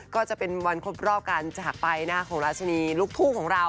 ก็จะเป็นวันครบรอบกันจากไปเป็นวันของราชนีลุกทูของเรา